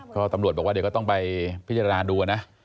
ก็ตำรวจบอกว่าเดี๋ยวก็ต้องไปพิจารณาดูนะ